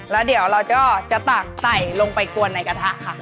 แล้วเดี๋ยวเราก็จะตักใส่ลงไปกวนในกระทะค่ะ